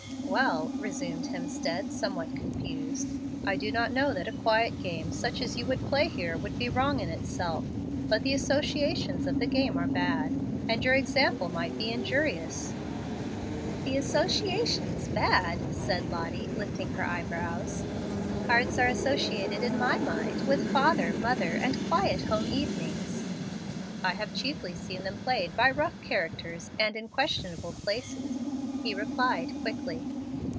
"Well," resumed Hemstead, somewhat confused, "I do not know that a quiet game such as you would play here would be wrong in itself. But the associations of the game are bad, and your example might be injurious." "The associations bad!" said Lottie, lifting her eyebrows. "Cards are associated in my mind with father, mother, and quiet home evenings." "I have chiefly seen them played by rough characters, and in questionable places," he replied quickly.